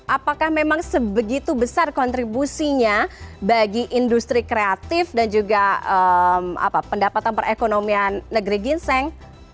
apakah memang sebegitu besar kontribusinya bagi industri kreatif dan juga pendapatan perekonomian negeri ginseng